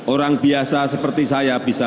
orang biasa seperti saya bisa